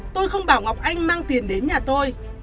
tôi không bảo ngọc anh mang tiền đến nhà tôi